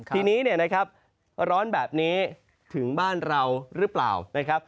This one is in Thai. ทีนี้เนี่ยนะครับร้อนแบบนี้ถึงบ้านเราหรือเปล่านะครับ